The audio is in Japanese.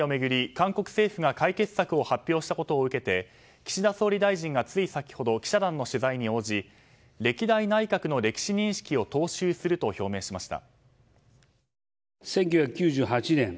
韓国政府が解決策を発表したことを受けて岸田総理大臣がつい先ほど記者団の取材に応じ歴代内閣の歴史認識を踏襲すると表明しました。